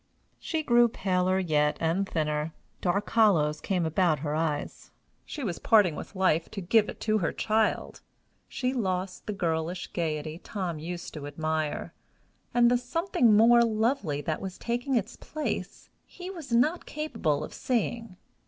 She grew paler yet and thinner; dark hollows came about her eyes; she was parting with life to give it to her child; she lost the girlish gayety Tom used to admire, and the something more lovely that was taking its place he was not capable of seeing.